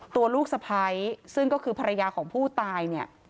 ตัวลูกสะพ้ายซึ่งก็คือภรรยาของผู้ตายเนี่ย